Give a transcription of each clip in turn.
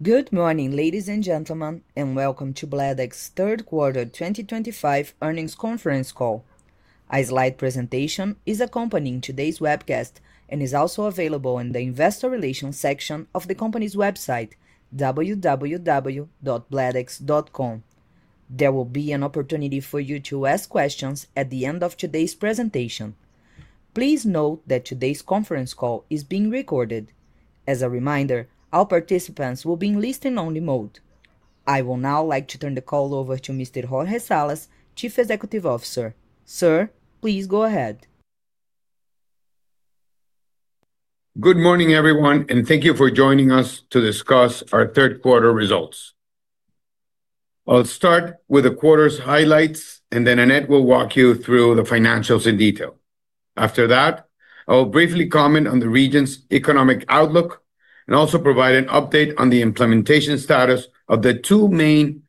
Good morning, ladies and gentlemen, and welcome to Bladex's third quarter 2025 earnings conference call. A slide presentation is accompanying today's webcast and is also available in the Investor Relations section of the company's website, www.bladex.com. There will be an opportunity for you to ask questions at the end of today's presentation. Please note that today's conference call is being recorded. As a reminder, all participants will be in listen-only mode. I will now like to turn the call over to Mr. Jorge Salas, Chief Executive Officer. Sir, please go ahead. Good morning, everyone, and thank you for joining us to discuss our third quarter results. I'll start with the quarter's highlights, and then Annette will walk you through the financials in detail. After that, I'll briefly comment on the region's economic outlook and also provide an update on the implementation status of the two main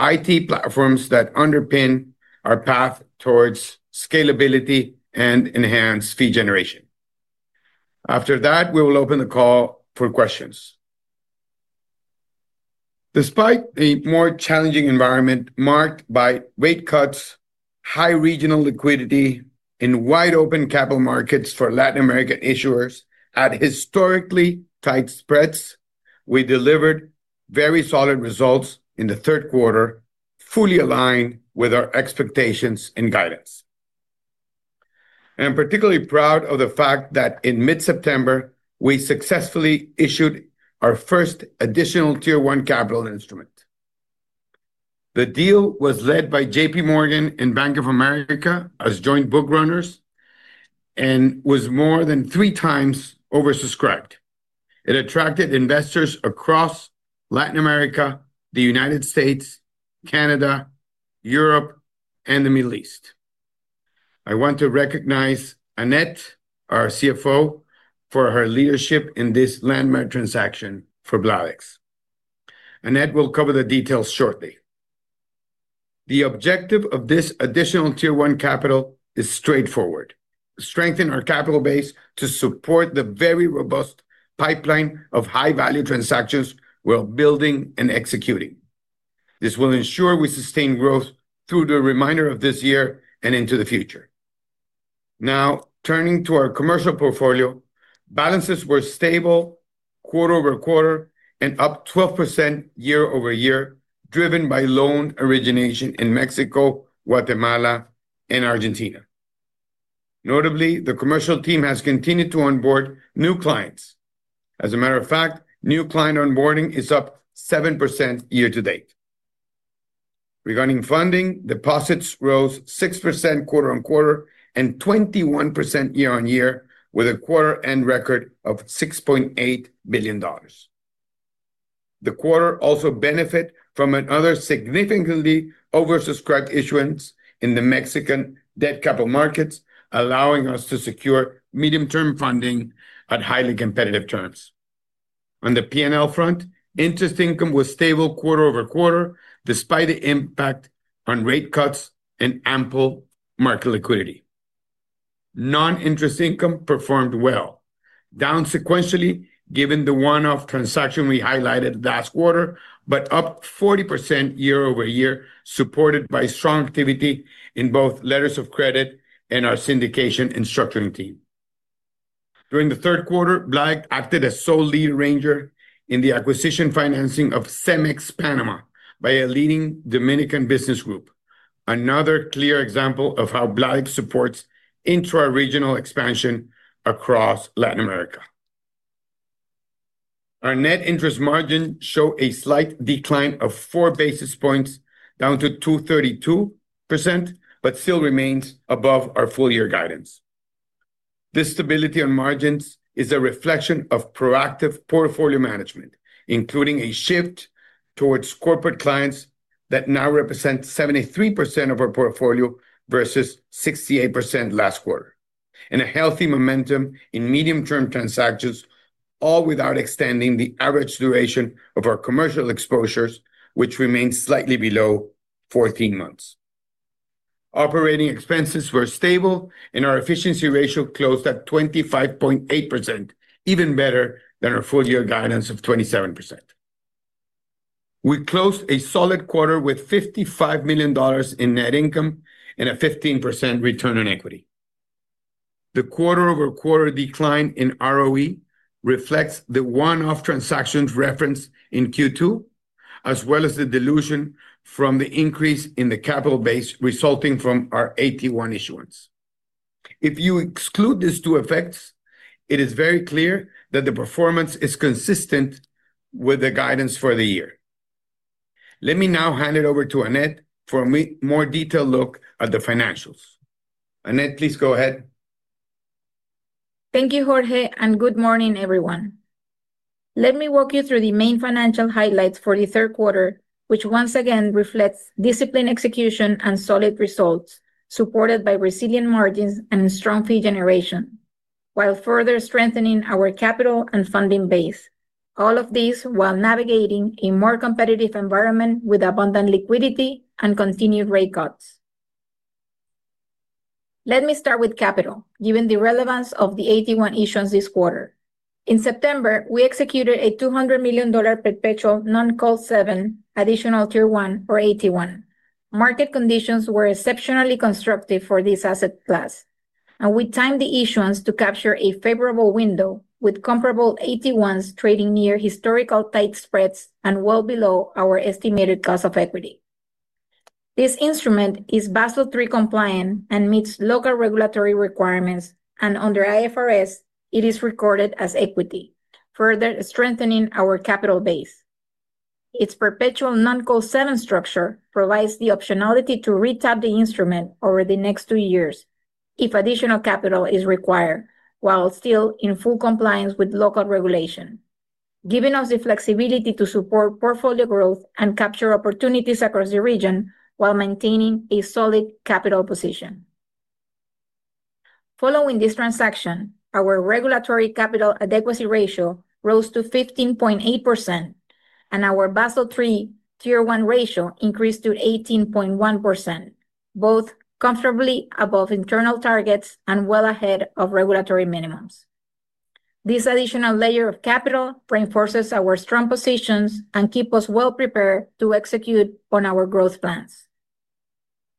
IT platforms that underpin our path towards scalability and enhanced fee generation. After that, we will open the call for questions. Despite a more challenging environment marked by rate cuts, high regional liquidity, and wide open capital markets for Latin American issuers at historically tight spreads, we delivered very solid results in the third quarter, fully aligned with our expectations and guidance. I am particularly proud of the fact that in mid-September, we successfully issued our first Additional Tier 1 capital instrument. The deal was led by JPMorgan and Bank of America as joint book runners and was more than 3x oversubscribed. It attracted investors across Latin America, the United States, Canada, Europe, and the Middle East. I want to recognize Annette, our CFO, for her leadership in this landmark transaction for Bladex. Annette will cover the details shortly. The objective of this Additional Tier 1 capital is straightforward: to strengthen our capital base to support the very robust pipeline of high-value transactions we're building and executing. This will ensure we sustain growth through the remainder of this year and into the future. Now, turning to our commercial portfolio, balances were stable quarter-over-quarter and up 12% year-over-year, driven by loan origination in Mexico, Guatemala, and Argentina. Notably, the commercial team has continued to onboard new clients. As a matter of fact, new client onboarding is up 7% year to date. Regarding funding, deposits rose 6% quarter on quarter and 21% year on year, with a quarter-end record of $6.8 billion. The quarter also benefited from another significantly oversubscribed issuance in the Mexican debt capital markets, allowing us to secure medium-term funding at highly competitive terms. On the P&L front, interest income was stable quarter-over-quarter, despite the impact on rate cuts and ample market liquidity. Non-interest income performed well, down sequentially given the one-off transaction we highlighted last quarter, but up 40% year-over-year, supported by strong activity in both letters of credit and our syndication and structuring team. During the third quarter, Bladex acted as a sole lead arranger in the acquisition financing of CEMEX Panama by a leading Dominican business group, another clear example of how Bladex supports intra-regional expansion across Latin America. Our net interest margins show a slight decline of 4 basis points, down to 2.32%, but still remains above our full-year guidance. This stability on margins is a reflection of proactive portfolio management, including a shift towards corporate clients that now represent 73% of our portfolio versus 68% last quarter, and a healthy momentum in medium-term transactions, all without extending the average duration of our commercial exposures, which remains slightly below 14 months. Operating expenses were stable, and our efficiency ratio closed at 25.8%, even better than our full-year guidance of 27%. We closed a solid quarter with $55 million in net income and a 15% return on equity. The quarter-over-quarter decline in ROE reflects the one-off transactions referenced in Q2, as well as the dilution from the increase in the capital base resulting from our AT1 issuance. If you exclude these two effects, it is very clear that the performance is consistent with the guidance for the year. Let me now hand it over to Annette for a more detailed look at the financials. Annette, please go ahead. Thank you, Jorge, and good morning, everyone. Let me walk you through the main financial highlights for the third quarter, which once again reflect disciplined execution and solid results, supported by resilient margins and strong fee generation, while further strengthening our capital and funding base. All of this while navigating a more competitive environment with abundant liquidity and continued rate cuts. Let me start with capital, given the relevance of the AT1 issuance this quarter. In September, we executed a $200 million Perpetual Non-Call 7 Additional Tier 1, or AT1. Market conditions were exceptionally constructive for this asset class, and we timed the issuance to capture a favorable window, with comparable AT1s trading near historical tight spreads and well below our estimated cost of equity. This instrument is Basel III compliant and meets local regulatory requirements, and under IFRS, it is recorded as equity, further strengthening our capital base. Its Perpetual Non-Call 7 structure provides the optionality to retap the instrument over the next two years if additional capital is required, while still in full compliance with local regulation, giving us the flexibility to support portfolio growth and capture opportunities across the region while maintaining a solid capital position. Following this transaction, our regulatory capital adequacy ratio rose to 15.8%, and our Basel III Tier 1 ratio increased to 18.1%, both comfortably above internal targets and well ahead of regulatory minimums. This additional layer of capital reinforces our strong positions and keeps us well prepared to execute on our growth plans.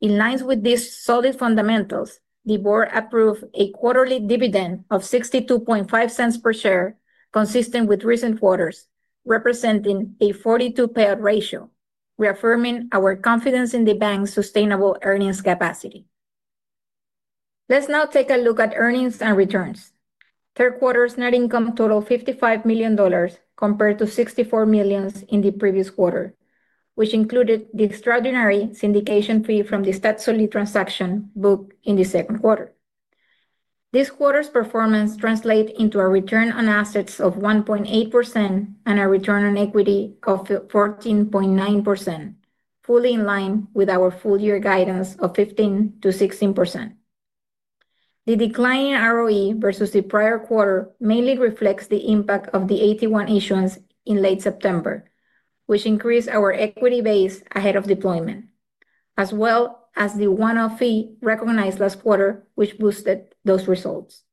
In line with these solid fundamentals, the board approved a quarterly dividend of $62.50 per share, consistent with recent quarters, representing a 42% payout ratio, reaffirming our confidence in the bank's sustainable earnings capacity. Let's now take a look at earnings and returns. Third quarter's net income totaled $55 million, compared to $64 million in the previous quarter, which included the extraordinary syndication fee from the Stat Solid transaction booked in the second quarter. This quarter's performance translated into a return on assets of 1.8% and a return on equity of 14.9%, fully in line with our full-year guidance of 15%-16%. The decline in ROE versus the prior quarter mainly reflects the impact of the AT1 issuance in late September, which increased our equity base ahead of deployment, as well as the one-off fee recognized last quarter, which boosted those results.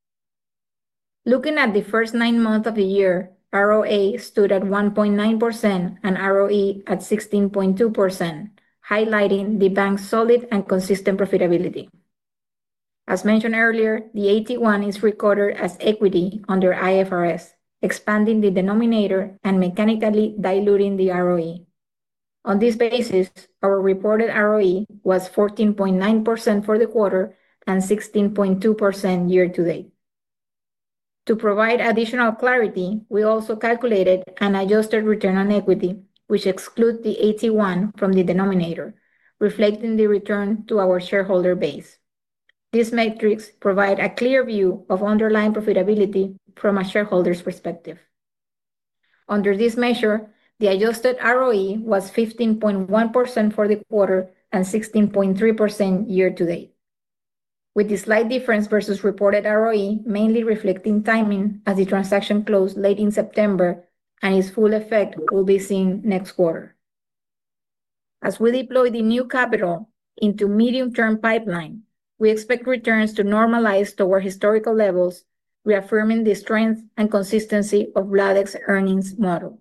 Looking at the first nine months of the year, ROA stood at 1.9% and ROE at 16.2%, highlighting the bank's solid and consistent profitability. As mentioned earlier, the AT1 is recorded as equity under IFRS, expanding the denominator and mechanically diluting the ROE. On this basis, our reported ROE was 14.9% for the quarter and 16.2% year to date. To provide additional clarity, we also calculated an adjusted return on equity, which excludes the AT1 from the denominator, reflecting the return to our shareholder base. This matrix provides a clear view of underlying profitability from a shareholder's perspective. Under this measure, the adjusted ROE was 15.1% for the quarter and 16.3% year to date, with a slight difference versus reported ROE, mainly reflecting timing as the transaction closed late in September and its full effect will be seen next quarter. As we deploy the new capital into the medium-term pipeline, we expect returns to normalize to our historical levels, reaffirming the strength and consistency of the Bladex earnings model.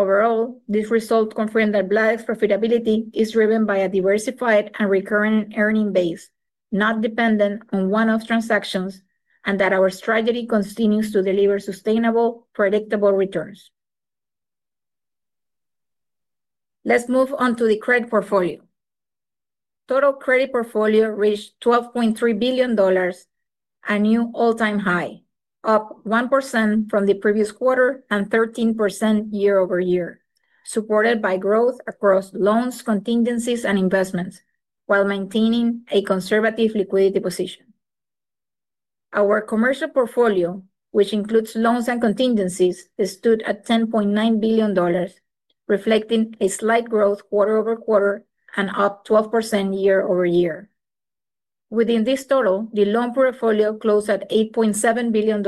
Overall, this result confirms that Bladex's profitability is driven by a diversified and recurring earnings base, not dependent on one-off transactions, and that our strategy continues to deliver sustainable, predictable returns. Let's move on to the credit portfolio. The total credit portfolio reached $12.3 billion, a new all-time high, up 1% from the previous quarter and 13% year-over-year, supported by growth across loans, contingencies, and investments, while maintaining a conservative liquidity position. Our commercial portfolio, which includes loans and contingencies, stood at $10.9 billion, reflecting a slight growth quarter-over-quarter and up 12% year-over-year. Within this total, the loan portfolio closed at $8.7 billion,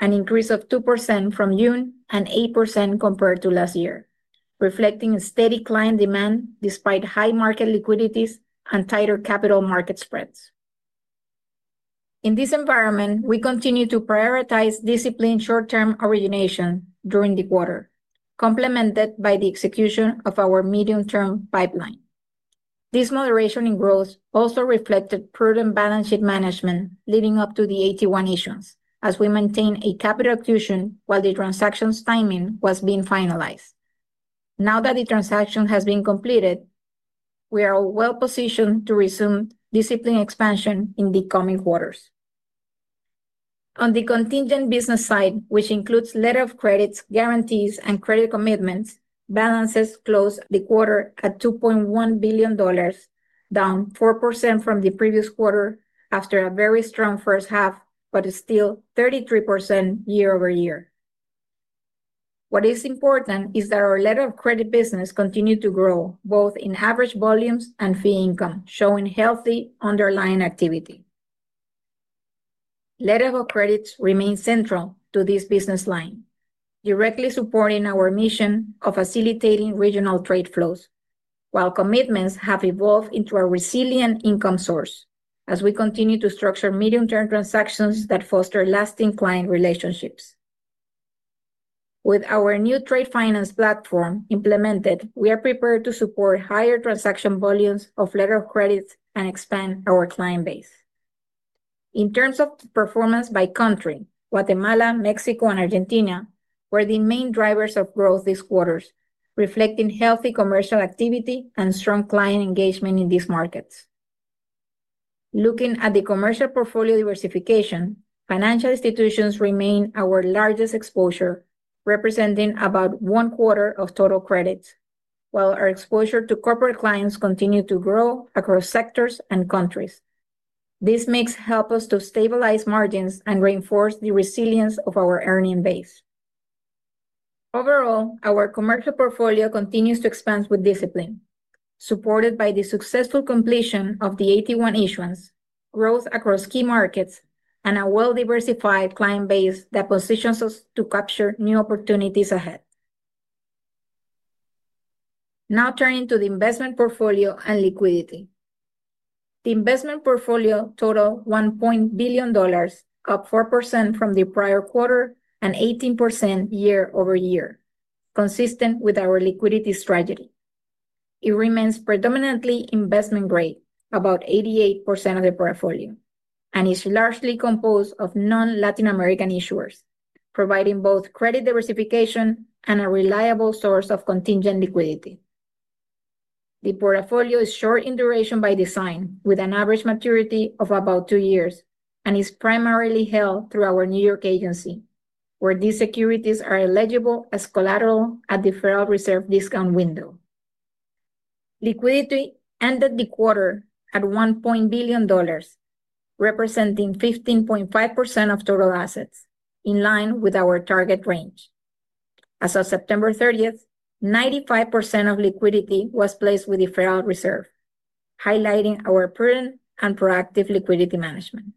an increase of 2% from June and 8% compared to last year, reflecting a steady client demand despite high market liquidities and tighter capital market spreads. In this environment, we continue to prioritize disciplined short-term origination during the quarter, complemented by the execution of our medium-term pipeline. This moderation in growth also reflected prudent balance sheet management leading up to the AT1 issuance, as we maintained a capital execution while the transaction's timing was being finalized. Now that the transaction has been completed, we are well positioned to resume disciplined expansion in the coming quarters. On the contingent business side, which includes letters of credit, guarantees, and credit commitments, balances closed the quarter at $2.1 billion, down 4% from the previous quarter after a very strong first half, but still 33% year-over-year. What is important is that our letters of credit business continues to grow, both in average volumes and fee income, showing healthy underlying activity. Letters of credit remain central to this business line, directly supporting our mission of facilitating regional trade flows, while commitments have evolved into a resilient income source as we continue to structure medium-term transactions that foster lasting client relationships. With our new trade finance platform implemented, we are prepared to support higher transaction volumes of letters of credit and expand our client base. In terms of performance by country, Guatemala, Mexico, and Argentina were the main drivers of growth this quarter, reflecting healthy commercial activity and strong client engagement in these markets. Looking at the commercial portfolio diversification, financial institutions remain our largest exposure, representing about one quarter of total credits, while our exposure to corporate clients continues to grow across sectors and countries. This mix helps us to stabilize margins and reinforce the resilience of our earnings base. Overall, our commercial portfolio continues to expand with discipline, supported by the successful completion of the AT1 issuance, growth across key markets, and a well-diversified client base that positions us to capture new opportunities ahead. Now turning to the investment portfolio and liquidity. The investment portfolio totals [$1.0] billion, up 4% from the prior quarter and 18% year-over-year, consistent with our liquidity strategy. It remains predominantly investment-grade, about 88% of the portfolio, and is largely composed of non-Latin American issuers, providing both credit diversification and a reliable source of contingent liquidity. The portfolio is short in duration by design, with an average maturity of about two years, and is primarily held through our New York agency, where these securities are eligible as collateral at the Federal Reserve discount window. Liquidity ended the quarter at $1.0 billion, representing 15.5% of total assets, in line with our target range. As of September 30th, 95% of liquidity was placed with the Federal Reserve, highlighting our prudent and proactive liquidity management.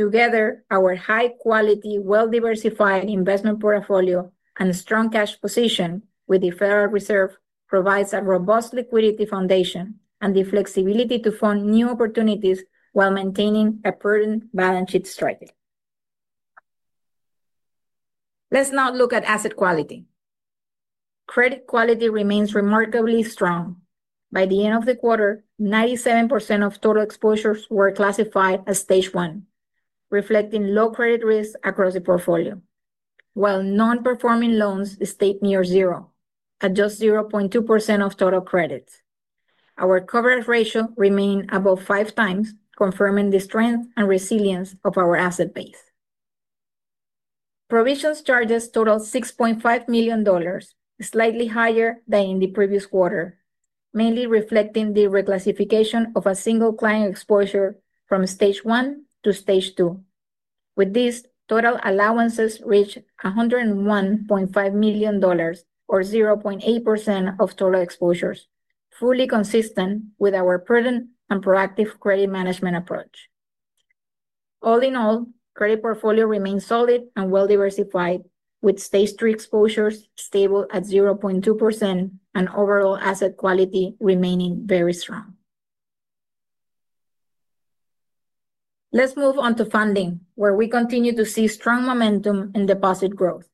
Together, our high-quality, well-diversified investment portfolio and strong cash position with the Federal Reserve provide a robust liquidity foundation and the flexibility to fund new opportunities while maintaining a prudent balance sheet strategy. Let's now look at asset quality. Credit quality remains remarkably strong. By the end of the quarter, 97% of total exposures were classified as stage one, reflecting low credit risk across the portfolio, while non-performing loans stayed near zero, at just 0.2% of total credit. Our coverage ratio remains above five times, confirming the strength and resilience of our asset base. Provisions charges totaled $6.5 million, slightly higher than in the previous quarter, mainly reflecting the reclassification of a single client exposure from stage one to stage two. With this, total allowances reached $101.5 million, or 0.8% of total exposures, fully consistent with our prudent and proactive credit management approach. All in all, the credit portfolio remains solid and well-diversified, with stage three exposures stable at 0.2% and overall asset quality remaining very strong. Let's move on to funding, where we continue to see strong momentum in deposit growth.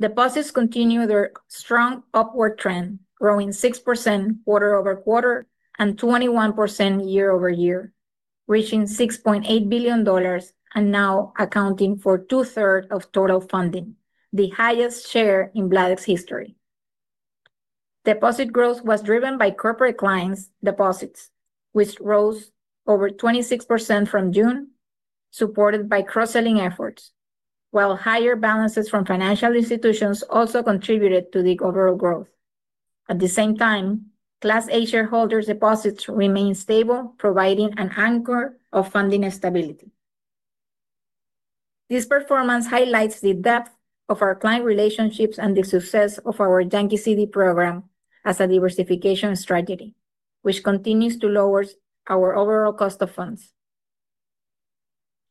Deposits continue their strong upward trend, growing 6% quarter-over-quarter and 21% year-over-year, reaching $6.8 billion and now accounting for 2/3 of total funding, the highest share in Bladex history. Deposit growth was driven by corporate clients' deposits, which rose over 26% from June, supported by cross-selling efforts, while higher balances from financial institutions also contributed to the overall growth. At the same time, Class A shareholders' deposits remain stable, providing an anchor of funding stability. This performance highlights the depth of our client relationships and the success of our Yankee CD program as a diversification strategy, which continues to lower our overall cost of funds.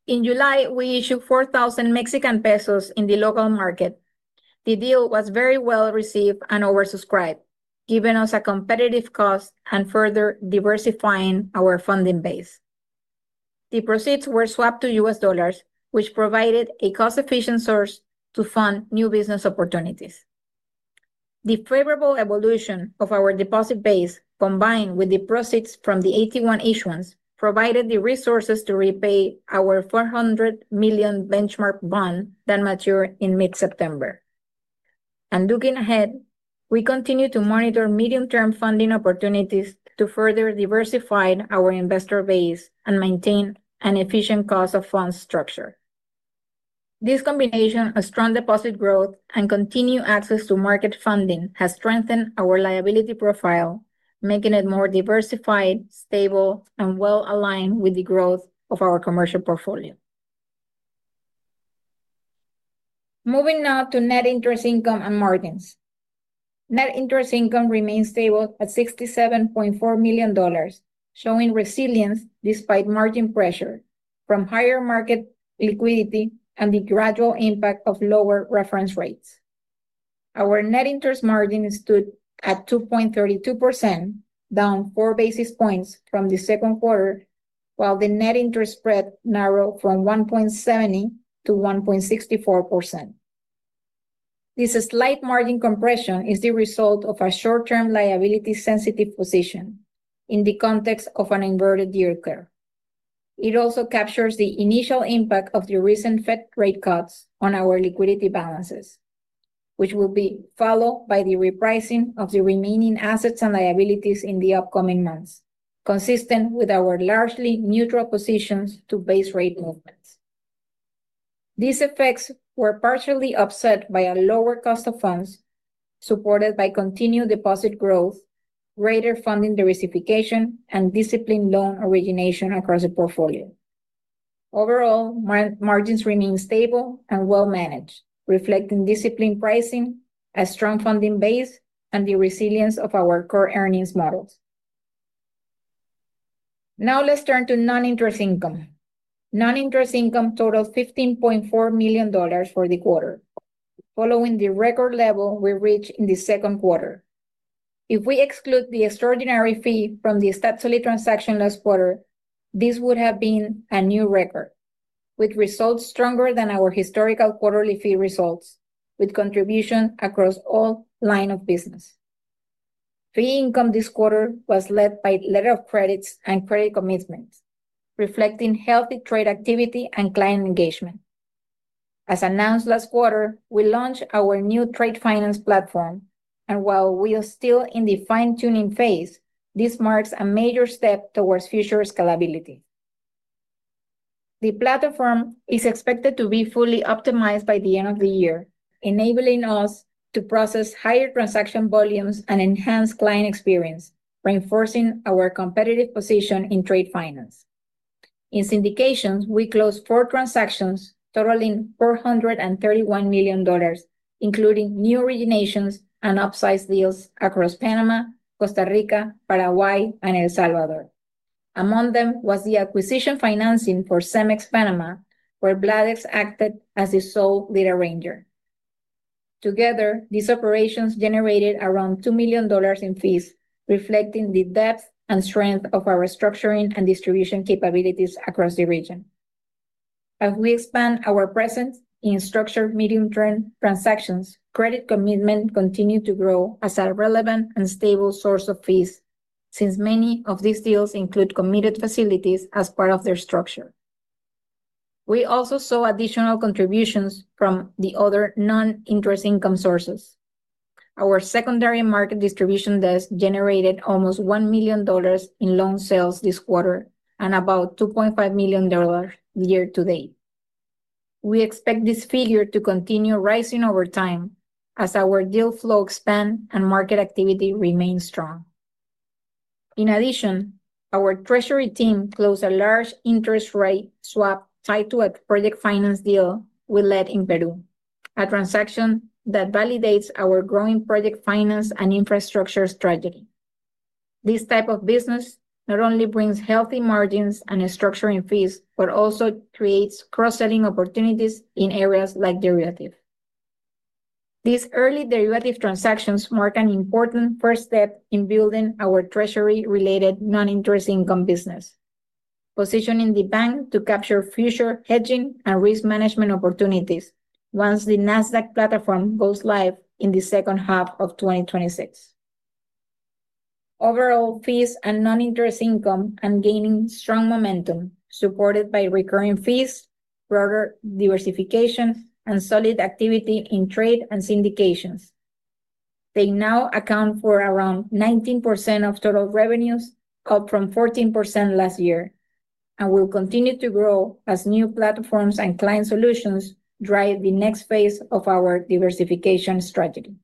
In July, we issued 4,000 Mexican pesos in the local market. The deal was very well received and oversubscribed, giving us a competitive cost and further diversifying our funding base. The proceeds were swapped to U.S. dollars, which provided a cost-efficient source to fund new business opportunities. The favorable evolution of our deposit base, combined with the proceeds from the AT1 issuance, provided the resources to repay our $400 million benchmark bond that matured in mid-September. Looking ahead, we continue to monitor medium-term funding opportunities to further diversify our investor base and maintain an efficient cost of funds structure. This combination of strong deposit growth and continued access to market funding has strengthened our liability profile, making it more diversified, stable, and well aligned with the growth of our commercial portfolio. Moving now to net interest income and margins. Net interest income remains stable at $67.4 million, showing resilience despite margin pressure from higher market liquidity and the gradual impact of lower reference rates. Our net interest margin stood at 2.32%, down 4 basis points from the second quarter, while the net interest spread narrowed from 1.70%-1.64%. This slight margin compression is the result of a short-term liability-sensitive position in the context of an inverted year curve. It also captures the initial impact of the recent Fed rate cuts on our liquidity balances, which will be followed by the repricing of the remaining assets and liabilities in the upcoming months, consistent with our largely neutral positions to base rate movements. These effects were partially offset by a lower cost of funds supported by continued deposit growth, greater funding diversification, and disciplined loan origination across the portfolio. Overall, margins remain stable and well managed, reflecting disciplined pricing, a strong funding base, and the resilience of our core earnings models. Now, let's turn to non-interest income. Non-interest income totals $15.4 million for the quarter, following the record level we reached in the second quarter. If we exclude the extraordinary fee from the Stat Solid transaction last quarter, this would have been a new record, with results stronger than our historical quarterly fee results, with contribution across all lines of business. Fee income this quarter was led by letters of credit and credit commitments, reflecting healthy trade activity and client engagement. As announced last quarter, we launched our new trade finance platform, and while we are still in the fine-tuning phase, this marks a major step towards future scalability. The platform is expected to be fully optimized by the end of the year, enabling us to process higher transaction volumes and enhance client experience, reinforcing our competitive position in trade finance. In syndications, we closed four transactions, totaling $431 million, including new originations and upsized deals across Panama, Costa Rica, Paraguay, and El Salvador. Among them was the acquisition financing for CEMEX Panama, where Bladex acted as the sole lead arranger. Together, these operations generated around $2 million in fees, reflecting the depth and strength of our structuring and distribution capabilities across the region. As we expand our presence in structured medium-term transactions, credit commitment continued to grow as a relevant and stable source of fees since many of these deals include committed facilities as part of their structure. We also saw additional contributions from the other non-interest income sources. Our secondary market distribution desk generated almost $1 million in loan sales this quarter and about $2.5 million year to date. We expect this figure to continue rising over time as our deal flow expands and market activity remains strong. In addition, our treasury team closed a large interest rate swap tied to a project finance deal we led in Peru, a transaction that validates our growing project finance and infrastructure strategy. This type of business not only brings healthy margins and structuring fees, but also creates cross-selling opportunities in areas like derivatives. These early derivative transactions mark an important first step in building our treasury-related non-interest income business, positioning the bank to capture future hedging and risk management opportunities once the Nasdaq’s Treasury and Capital Markets platform goes live in the second half of 2026. Overall, fees and non-interest income are gaining strong momentum, supported by recurring fees, broader diversification, and solid activity in trade and syndications. They now account for around 19% of total revenues, up from 14% last year, and will continue to grow as new platforms and client solutions drive the next phase of our diversification strategy.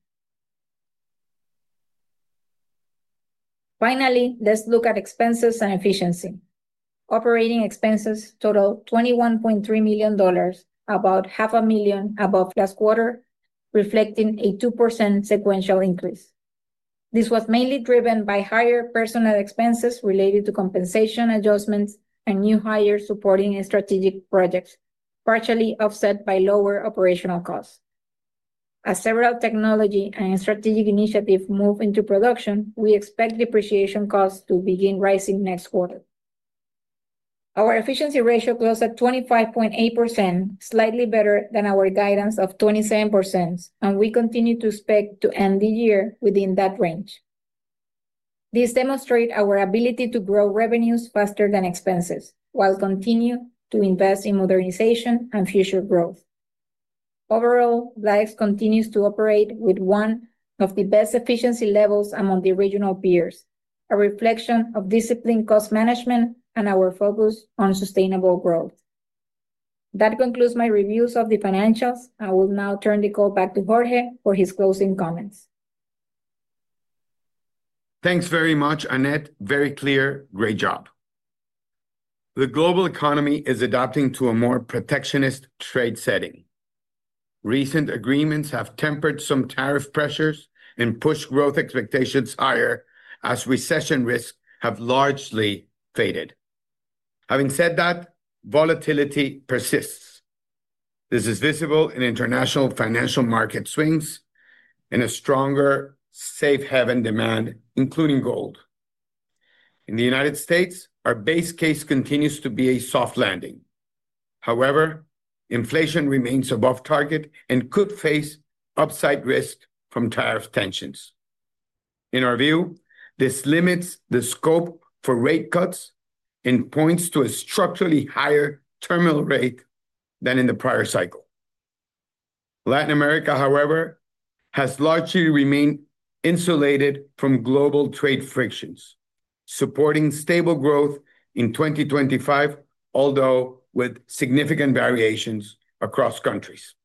Finally, let's look at expenses and efficiency. Operating expenses totaled $21.3 million, about half a million above last quarter, reflecting a 2% sequential increase. This was mainly driven by higher personnel expenses related to compensation adjustments and new hires supporting strategic projects, partially offset by lower operational costs. As several technology and strategic initiatives move into production, we expect depreciation costs to begin rising next quarter. Our efficiency ratio closed at 25.8%, slightly better than our guidance of 27%, and we continue to expect to end the year within that range. This demonstrates our ability to grow revenues faster than expenses, while continuing to invest in modernization and future growth. Overall, Bladex continues to operate with one of the best efficiency levels among the regional peers, a reflection of disciplined cost management and our focus on sustainable growth. That concludes my reviews of the financials. I will now turn the call back to Jorge for his closing comments. Thanks very much, Annette. Very clear. Great job. The global economy is adapting to a more protectionist trade setting. Recent agreements have tempered some tariff pressures and pushed growth expectations higher, as recession risks have largely faded. Having said that, volatility persists. This is visible in international financial market swings and a stronger safe haven demand, including gold. In the U.S., our base case continues to be a soft landing. However, inflation remains above target and could face upside risk from tariff tensions. In our view, this limits the scope for rate cuts and points to a structurally higher terminal rate than in the prior cycle. Latin America, however, has largely remained insulated from global trade frictions, supporting stable growth in 2025, although with significant variations across countries.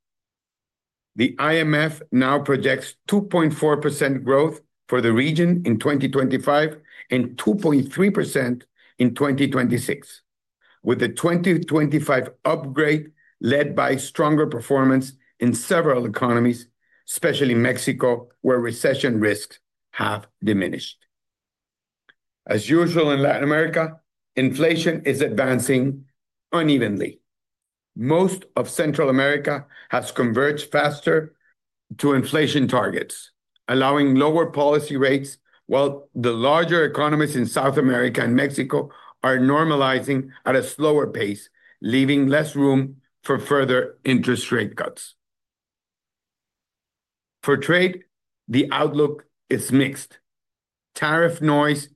The IMF now projects 2.4% growth for the region in 2025 and 2.3% in 2026, with the 2025 upgrade led by stronger performance in several economies, especially Mexico, where recession risks have diminished. As usual in Latin America, inflation is advancing unevenly. Most of Central America has converged faster to inflation targets, allowing lower policy rates, while the larger economies in South America and Mexico are normalizing at a slower pace, leaving less room for further interest rate cuts. For trade, the outlook is mixed. Tariff noise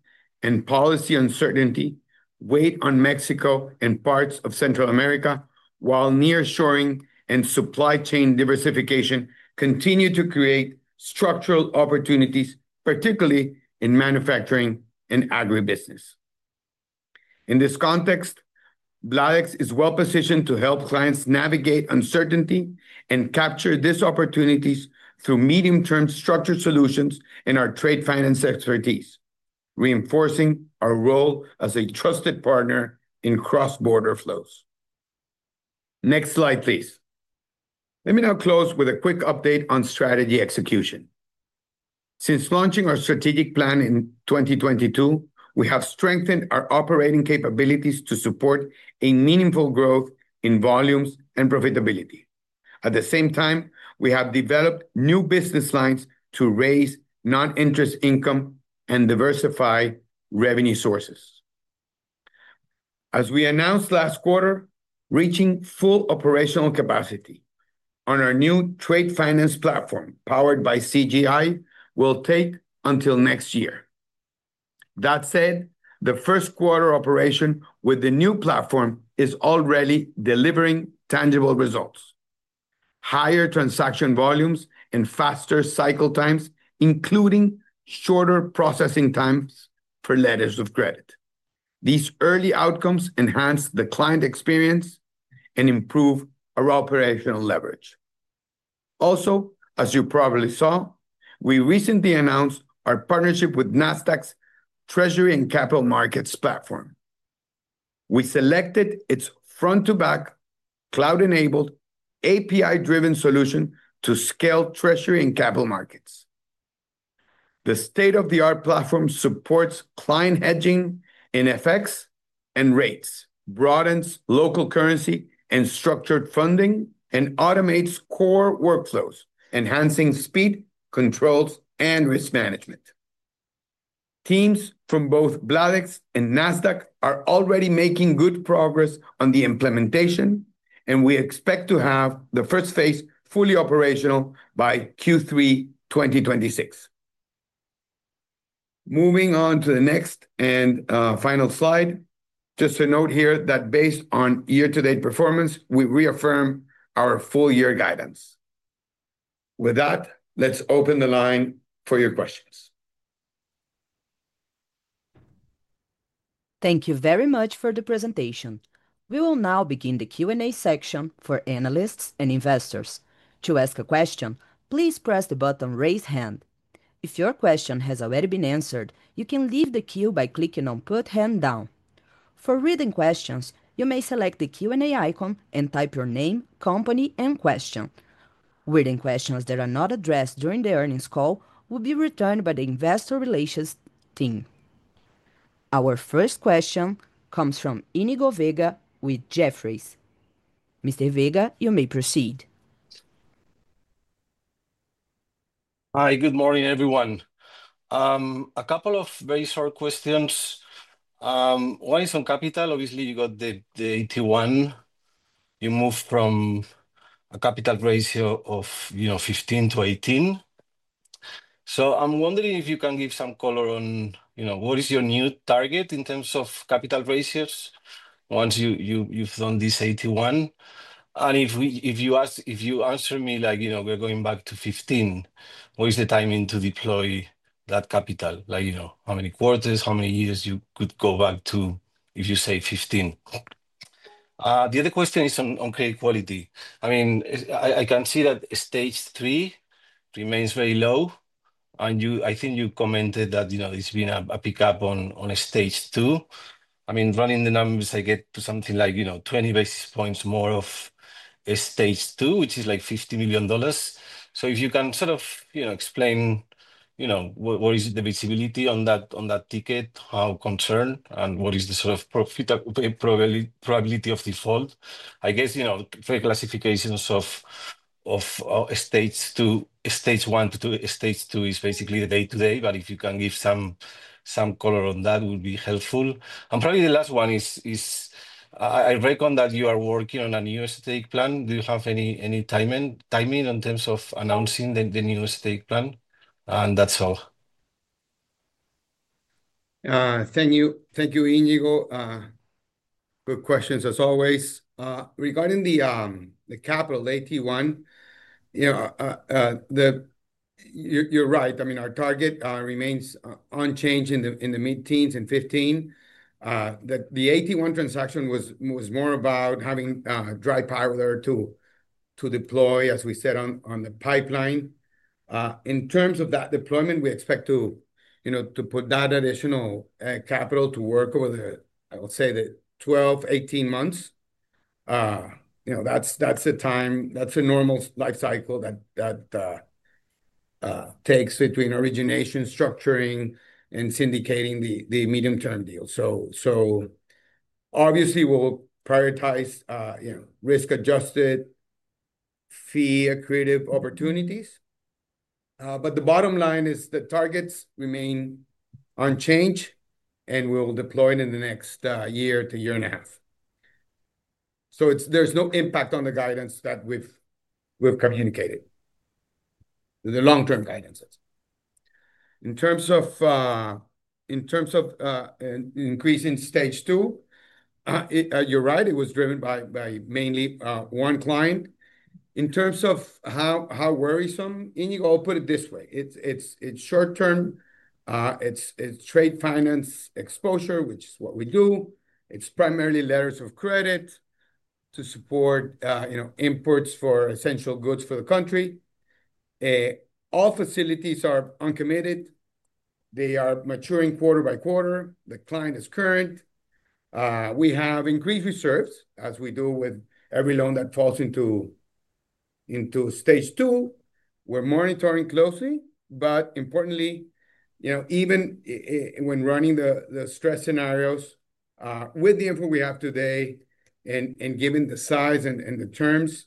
and policy uncertainty weigh on Mexico and parts of Central America, while nearshoring and supply chain diversification continue to create structural opportunities, particularly in manufacturing and agribusiness. In this context, Bladex is well positioned to help clients navigate uncertainty and capture these opportunities through medium-term structured solutions and our trade finance expertise, reinforcing our role as a trusted partner in cross-border flows. Next slide, please. Let me now close with a quick update on strategy execution. Since launching our strategic plan in 2022, we have strengthened our operating capabilities to support a meaningful growth in volumes and profitability. At the same time, we have developed new business lines to raise non-interest income and diversify revenue sources. As we announced last quarter, reaching full operational capacity on our new trade finance platform powered by CGI will take until next year. That said, the first quarter operation with the new platform is already delivering tangible results: higher transaction volumes and faster cycle times, including shorter processing times for letters of credit. These early outcomes enhance the client experience and improve our operational leverage. Also, as you probably saw, we recently announced our partnership with Nasdaq’s Treasury and Capital Markets platform. We selected its front-to-back, cloud-enabled, API-driven solution to scale treasury and capital markets. The state-of-the-art platform supports client hedging in FX and rates, broadens local currency and structured funding, and automates core workflows, enhancing speed, controls, and risk management. Teams from both Bladex and Nasdaq are already making good progress on the implementation, and we expect to have the first phase fully operational by Q3 2026. Moving on to the next and final slide, just a note here that based on year-to-date performance, we reaffirm our full-year guidance. With that, let's open the line for your questions. Thank you very much for the presentation. We will now begin the Q&A section for analysts and investors. To ask a question, please press the button Raise Hand. If your question has already been answered, you can leave the queue by clicking on Put Hand Down. For written questions, you may select the Q&A icon and type your name, company, and question. Written questions that are not addressed during the earnings call will be returned by the Investor Relations team. Our first question comes from Iñigo Vega with Jefferies. Mr. Vega, you may proceed. Hi. Good morning, everyone. A couple of very short questions. One is on capital. Obviously, you got the AT1. You moved from a capital ratio of 15%-18%. I'm wondering if you can give some color on what is your new target in terms of capital ratios once you've done this AT1? If you answer me like, you know, we're going back to 15%, what is the timing to deploy that capital? Like, you know, how many quarters, how many years you could go back to, if you say 15%? The other question is on credit quality. I can see that stage three remains very low. I think you commented that there's been a pickup on stage two. Running the numbers, I get to something like 20 basis points more of stage two, which is like $50 million. If you can sort of explain what is the visibility on that ticket, how concerned, and what is the sort of profitable probability of default? I guess, you know, very classifications of stage one to stage two is basically the day-to-day. If you can give some color on that, it would be helpful. Probably the last one is, I reckon that you are working on a new estate plan. Do you have any timing in terms of announcing the new estate plan? That's all. Thank you, Iñigo. Good questions, as always. Regarding the capital, the AT1, you're right. I mean, our target remains unchanged in the mid-teens and 15%. The AT1 transaction was more about having dry power there to deploy, as we said, on the pipeline. In terms of that deployment, we expect to put that additional capital to work over the, I would say, the 12 to 18 months. That's the time, that's the normal life cycle that takes between origination, structuring, and syndicating the medium-term deal. Obviously, we'll prioritize risk-adjusted fee accretive opportunities. The bottom line is the targets remain unchanged, and we'll deploy in the next year to year and a half. There's no impact on the guidance that we've communicated, the long-term guidance. In terms of increasing stage two, you're right. It was driven by mainly one client. In terms of how worrisome, I'll put it this way. It's short term. It's trade finance exposure, which is what we do. It's primarily letters of credit to support imports for essential goods for the country. All facilities are uncommitted. They are maturing quarter by quarter. The client is current. We have increased reserves, as we do with every loan that falls into stage two. We're monitoring closely. Importantly, even when running the stress scenarios, with the info we have today and given the size and the terms,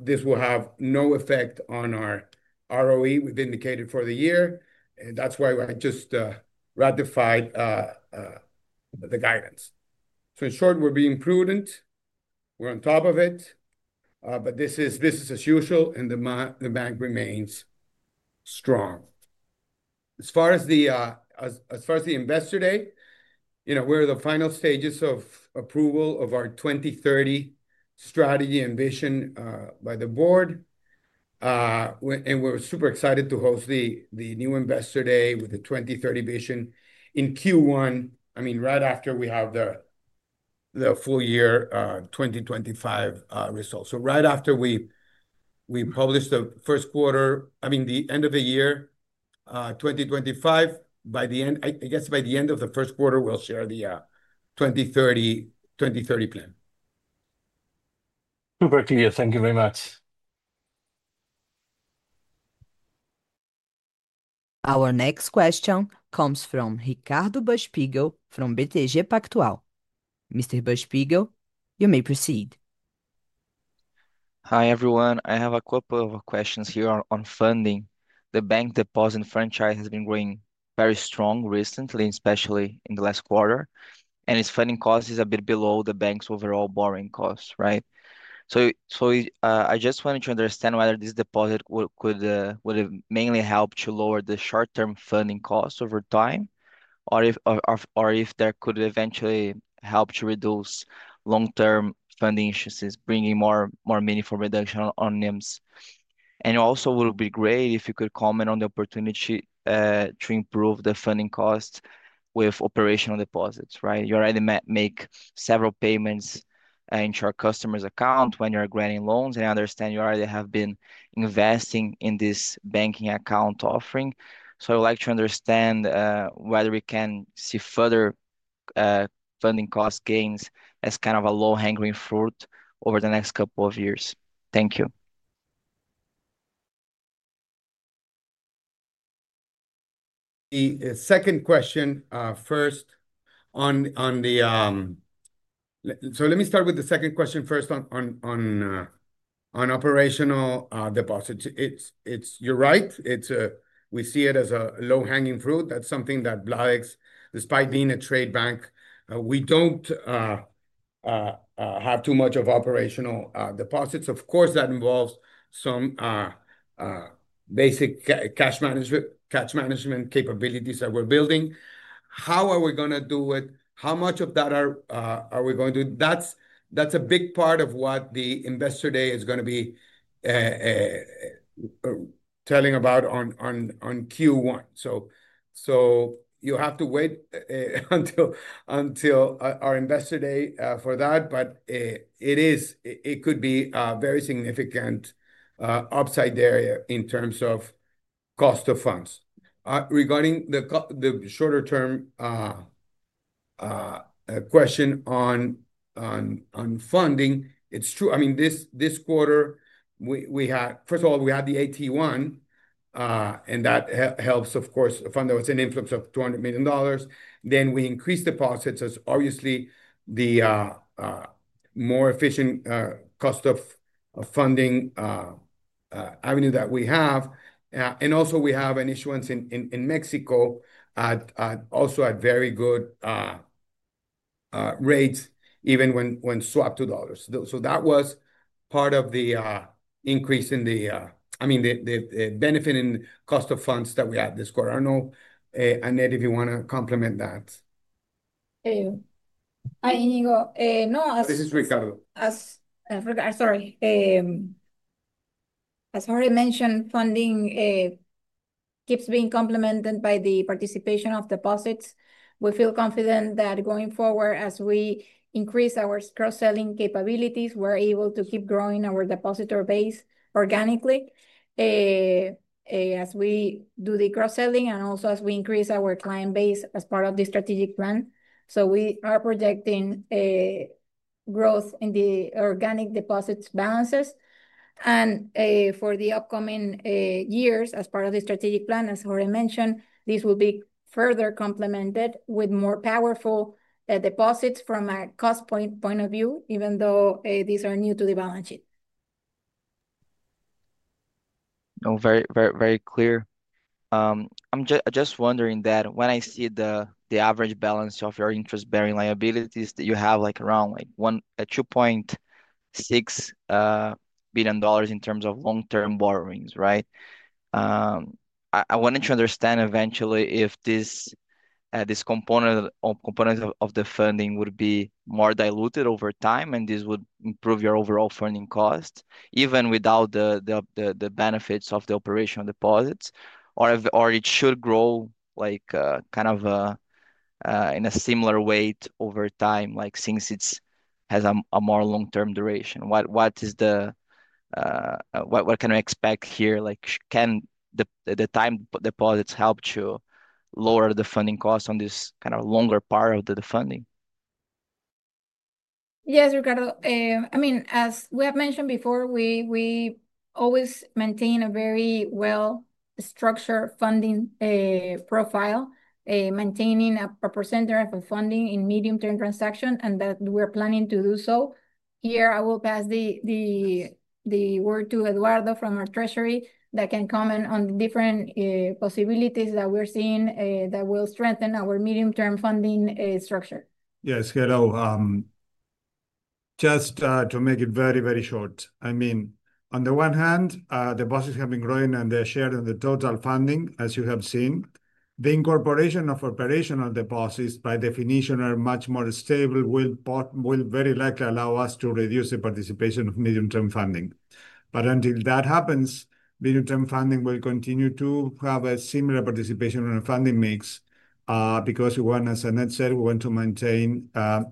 this will have no effect on our return on equity we've indicated for the year. That's why I just ratified the guidance. In short, we're being prudent. We're on top of it. This is as usual, and the bank remains strong. As far as the Investor Day, we're in the final stages of approval of our 2030 strategy and vision by the board. We're super excited to host the new Investor Day with the 2030 vision in Q1. I mean, right after we have the full-year 2025 results. Right after we publish the first quarter, I mean, the end of the year 2025, by the end, I guess by the end of the first quarter, we'll share the 2030 plan. Super clear. Thank you very much. Our next question comes from Ricardo Buchpiguel from BTG Pactual. Mr. Buchpiguel, you may proceed. Hi, everyone. I have a couple of questions here on funding. The bank deposit franchise has been growing very strong recently, especially in the last quarter. Its funding cost is a bit below the bank's overall borrowing costs, right? I just wanted to understand whether this deposit could mainly help to lower the short-term funding costs over time, or if it could eventually help to reduce long-term funding issues, bringing more meaningful reduction on NIMs. It also would be great if you could comment on the opportunity to improve the funding costs with operational deposits, right? You already make several payments into our customers' accounts when you're granting loans, and I understand you already have been investing in this banking account offering. I would like to understand whether we can see further funding cost gains as kind of a low-hanging fruit over the next couple of years. Thank you. Let me start with the second question first on operational deposits. You're right. We see it as a low-hanging fruit. That's something that Bladex, despite being a trade bank, we don't have too much of operational deposits. Of course, that involves some basic cash management capabilities that we're building. How are we going to do it? How much of that are we going to do? That's a big part of what the investor day is going to be telling about on Q1. You have to wait until our investor day for that. It could be a very significant upside there in terms of cost of funds. Regarding the shorter-term question on funding, it's true. This quarter, we had, first of all, we had the AT1, and that helps, of course, a fund that was in an influx of $200 million. Then we increased deposits. That's obviously the more efficient cost of funding avenue that we have. Also, we have an issuance in Mexico at very good rates, even when swapped to dollars. That was part of the increase in the benefit in cost of funds that we had this quarter. I don't know, Annette, if you want to complement that. This is Ricardo. Sorry. As Jorge mentioned, funding keeps being complemented by the participation of deposits. We feel confident that going forward, as we increase our cross-selling capabilities, we're able to keep growing our depositor base organically as we do the cross-selling and also as we increase our client base as part of the strategic plan. We are projecting growth in the organic deposits balances. For the upcoming years, as part of the strategic plan, as Jorge mentioned, this will be further complemented with more powerful deposits from a cost point of view, even though these are new to the balance sheet. No, very, very, very clear. I'm just wondering, when I see the average balance of your interest-bearing liabilities that you have, like around $2.6 billion in terms of long-term borrowings, right? I wanted to understand eventually if this component of the funding would be more diluted over time and this would improve your overall funding costs, even without the benefits of the operational deposits, or it should grow kind of in a similar weight over time, since it has a more long-term duration. What can I expect here? Can the time deposits help to lower the funding costs on this kind of longer part of the funding? Yes, Ricardo. As we have mentioned before, we always maintain a very well-structured funding profile, maintaining a proper center of funding in medium-term transactions, and we're planning to do so. Here, I will pass the word to Eduardo from our Treasury that can comment on the different possibilities that we're seeing that will strengthen our medium-term funding structure. Yes, hello. Just to make it very, very short, on the one hand, deposits have been growing and their share in the total funding, as you have seen. The incorporation of operational deposits, by definition, are much more stable, will very likely allow us to reduce the participation of medium-term funding. Until that happens, medium-term funding will continue to have a similar participation in the funding mix because we want, as Annette said, we want to maintain a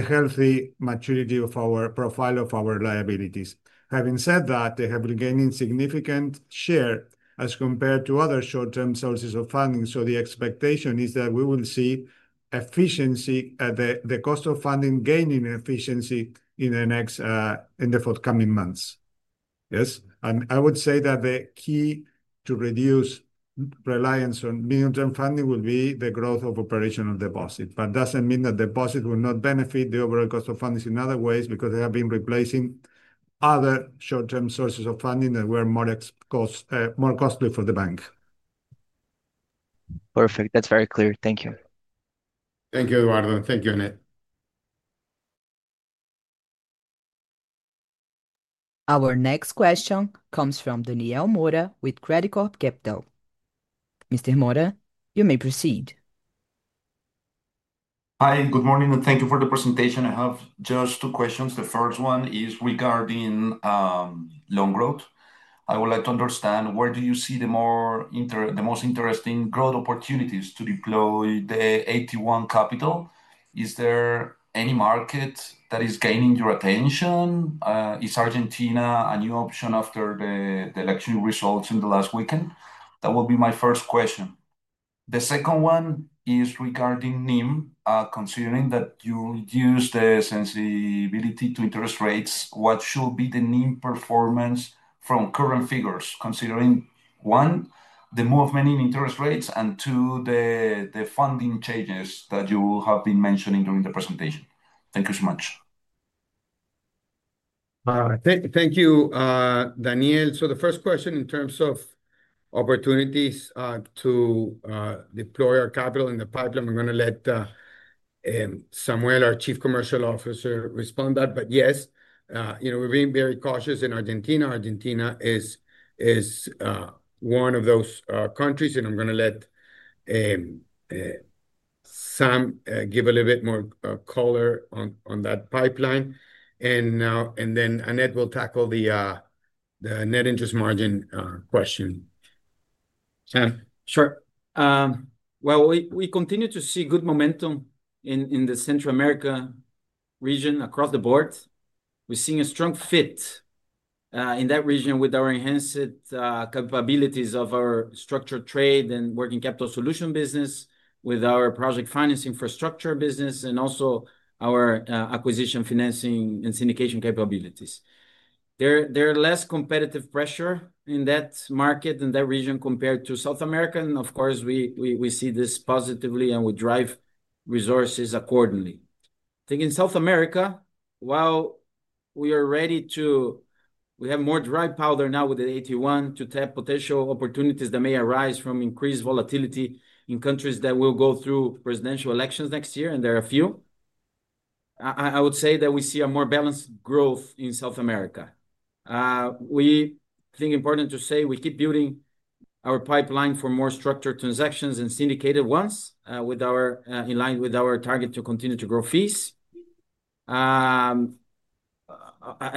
healthy maturity of our profile of our liabilities. Having said that, they have been gaining significant share as compared to other short-term sources of funding. The expectation is that we will see efficiency, the cost of funding gaining efficiency in the forthcoming months. I would say that the key to reduce reliance on medium-term funding will be the growth of operational deposits. It doesn't mean that deposits will not benefit the overall cost of funding in other ways because they have been replacing other short-term sources of funding that were more costly for the bank. Perfect. That's very clear. Thank you. Thank you, Eduardo. Thank you, Annette. Our next question comes from Daniel Mora with Credicorp Capital. Mr. Mora, you may proceed. Hi, and good morning, and thank you for the presentation. I have just two questions. The first one is regarding loan growth. I would like to understand where do you see the most interesting growth opportunities to deploy the AT1 capital? Is there any market that is gaining your attention? Is Argentina a new option after the election results in the last weekend? That will be my first question. The second one is regarding NIM. Considering that you use the sensibility to interest rates, what should be the NIM performance from current figures, considering one, the movement in interest rates, and two, the funding changes that you have been mentioning during the presentation? Thank you so much. Thank you, Daniel. The first question in terms of opportunities to deploy our capital in the pipeline, I'm going to let Samuel, our Chief Commercial Officer, respond to that. Yes, you know, we're being very cautious in Argentina. Argentina is one of those countries, and I'm going to let Sam give a little bit more color on that pipeline. Annette will tackle the net interest margin question. Sure. We continue to see good momentum in the Central America region across the board. We're seeing a strong fit in that region with our enhanced capabilities of our structured trade and working capital solution business, with our project financing for structure business, and also our acquisition financing and syndication capabilities. There are less competitive pressures in that market and that region compared to South America. Of course, we see this positively and we drive resources accordingly. I think in South America, while we are ready to, we have more dry powder now with the AT1 to tap potential opportunities that may arise from increased volatility in countries that will go through presidential elections next year, and there are a few, I would say that we see a more balanced growth in South America. We think it's important to say we keep building our pipeline for more structured transactions and syndicated ones in line with our target to continue to grow fees. I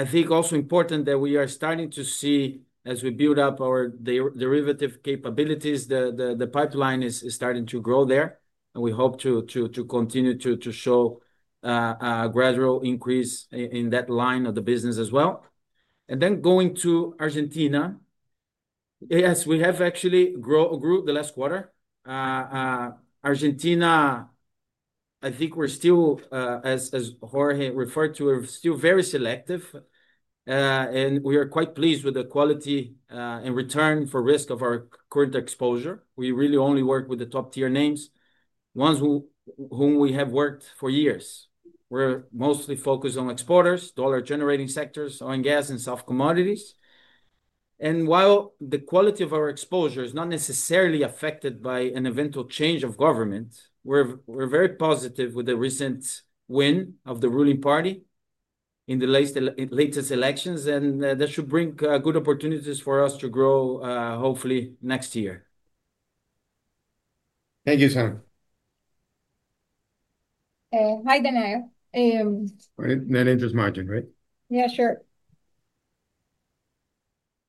think also important that we are starting to see, as we build up our derivative capabilities, the pipeline is starting to grow there. We hope to continue to show a gradual increase in that line of the business as well. Going to Argentina, yes, we have actually grown the last quarter. Argentina, I think we're still, as Jorge referred to, we're still very selective. We are quite pleased with the quality and return for risk of our current exposure. We really only work with the top-tier names, ones with whom we have worked for years. We're mostly focused on exporters, dollar-generating sectors, oil and gas, and soft commodities. While the quality of our exposure is not necessarily affected by an eventual change of government, we're very positive with the recent win of the ruling party in the latest elections. That should bring good opportunities for us to grow, hopefully, next year. Thank you, Sam. Hi, Daniel. Net interest margin, right? Yeah, sure.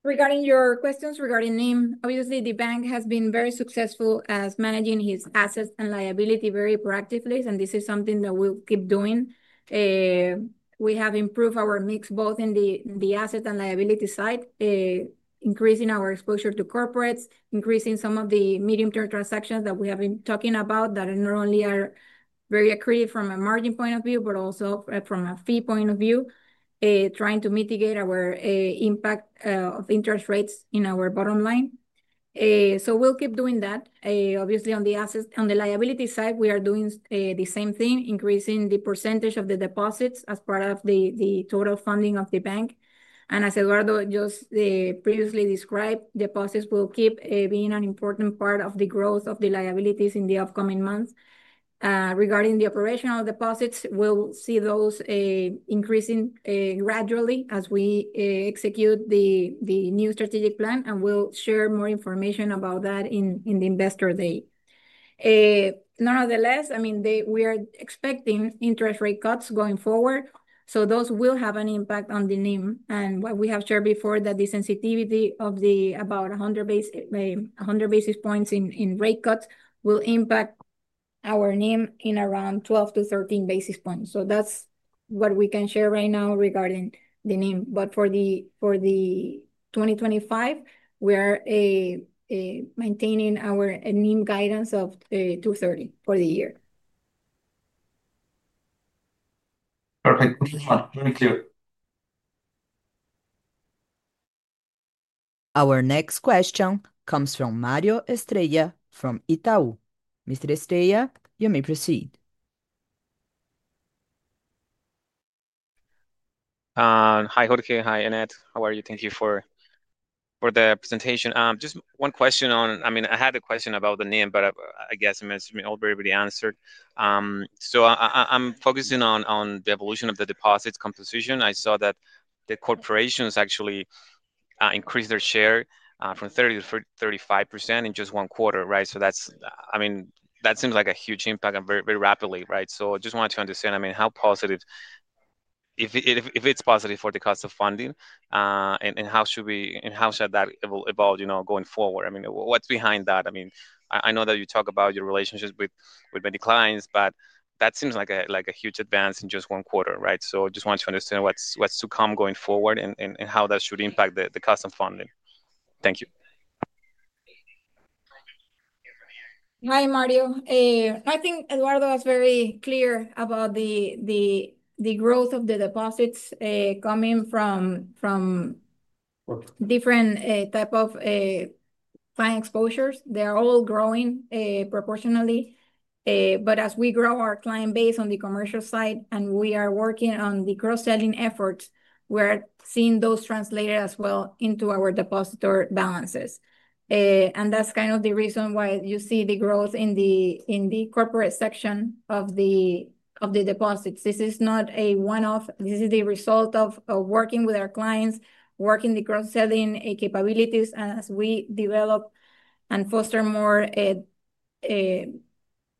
Regarding your questions regarding NIM, obviously, the bank has been very successful at managing its assets and liability very proactively. This is something that we'll keep doing. We have improved our mix both in the asset and liability side, increasing our exposure to corporates, increasing some of the medium-term transactions that we have been talking about that not only are very accretive from a margin point of view, but also from a fee point of view, trying to mitigate our impact of interest rates in our bottom line. We'll keep doing that. On the liability side, we are doing the same thing, increasing the percentage of the deposits as part of the total funding of the bank. As Eduardo just previously described, deposits will keep being an important part of the growth of the liabilities in the upcoming months. Regarding the operational deposits, we'll see those increasing gradually as we execute the new strategic plan. We'll share more information about that in the investor day. Nonetheless, we are expecting interest rate cuts going forward. Those will have an impact on the NIM. What we have shared before is that the sensitivity of about 100 basis points in rate cuts will impact our NIM in around 12 basis points-13 basis points. That's what we can share right now regarding the NIM. For 2025, we are maintaining our NIM guidance of 230 for the year. Perfect. Thank you. Our next question comes from Mario Estrella from Itaú. Mr. Estrella, you may proceed. Hi, Jorge. Hi, Annette. How are you? Thank you for the presentation. Just one question on, I mean, I had a question about the NIM, but I guess it's all really answered. I'm focusing on the evolution of the deposits composition. I saw that the corporations actually increased their share from 30%-35% in just one quarter, right? That seems like a huge impact and very rapidly, right? I just wanted to understand how positive, if it's positive for the cost of funding, and how should we, and how should that evolve going forward? What's behind that? I know that you talk about your relationships with many clients, but that seems like a huge advance in just one quarter, right? I just want to understand what's to come going forward and how that should impact the cost of funding. Thank you. Hi, Mario. No, I think Eduardo was very clear about the growth of the deposits coming from different types of client exposures. They are all growing proportionally. As we grow our client base on the commercial side and we are working on the cross-selling efforts, we are seeing those translated as well into our depositor balances. That is kind of the reason why you see the growth in the corporate section of the deposits. This is not a one-off. This is the result of working with our clients, working the cross-selling capabilities. As we develop and foster more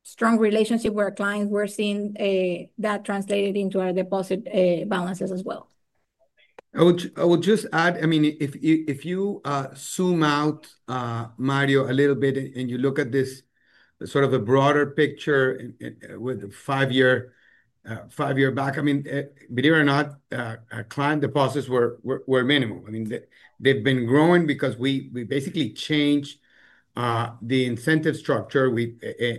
strong relationships with our clients, we're seeing that translated into our deposit balances as well. I would just add, if you zoom out, Mario, a little bit and you look at this sort of a broader picture with a five-year back, believe it or not, our client deposits were minimal. They've been growing because we basically changed the incentive structure.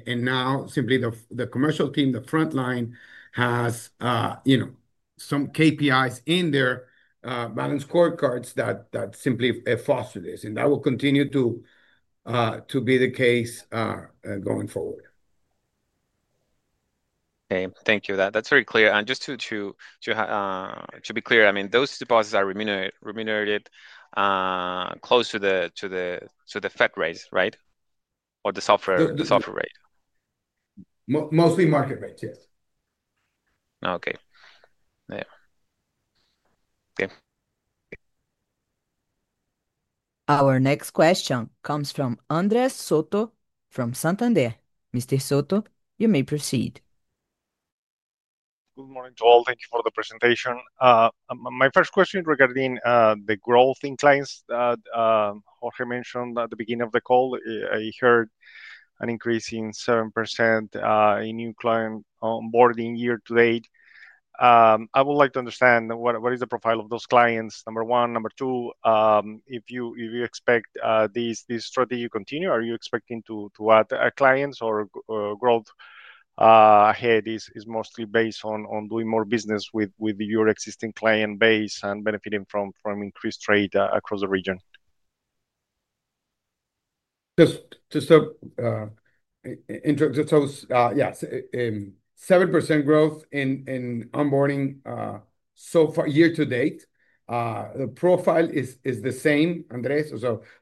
Now, simply the commercial team, the front line, has some KPIs in their balance scorecards that simply foster this. That will continue to be the case going forward. Thank you. That's very clear. Just to be clear, I mean, those deposits are remunerated close to the Fed rates, right? Or the SOFR rate? Mostly market rates, yes. Okay. Yeah. Our next question comes from Andres Soto from Santander. Mr. Soto, you may proceed. Good morning to all. Thank you for the presentation. My first question is regarding the growth in clients that Jorge mentioned at the beginning of the call. I heard an increase in 7% in new client onboarding year to date. I would like to understand what is the profile of those clients, number one. Number two, if you expect this strategy to continue, are you expecting to add clients or growth ahead is mostly based on doing more business with your existing client base and benefiting from increased trade across the region? Just to interrupt, yeah, 7% growth in onboarding so far year to date. The profile is the same, Andres.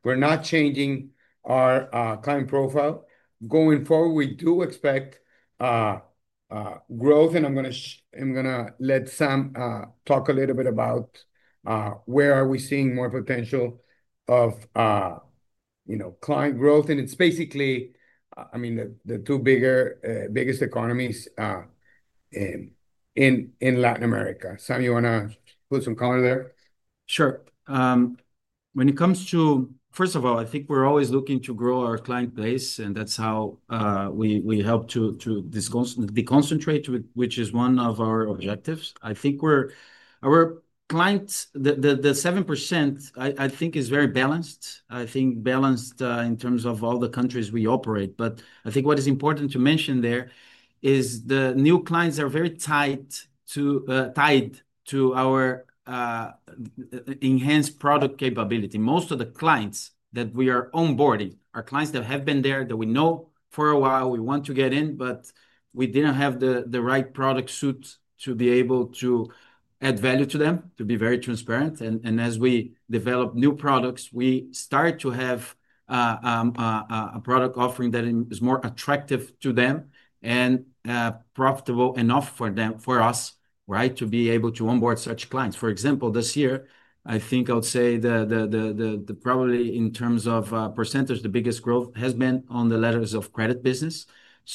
We're not changing our client profile. Going forward, we do expect growth. I'm going to let Sam talk a little bit about where are we seeing more potential of client growth. It's basically, I mean, the two biggest economies in Latin America. Sam, you want to put some color there? Sure. When it comes to, first of all, I think we're always looking to grow our client base, and that's how we help to deconcentrate, which is one of our objectives. I think our clients, the 7%, I think is very balanced. I think balanced in terms of all the countries we operate. What is important to mention there is the new clients are very tied to our enhanced product capability. Most of the clients that we are onboarding are clients that have been there, that we know for a while, we want to get in, but we didn't have the right product suite to be able to add value to them, to be very transparent. As we develop new products, we start to have a product offering that is more attractive to them and profitable enough for us, right, to be able to onboard such clients. For example, this year, I would say that probably in terms of percentage, the biggest growth has been on the letters of credit business,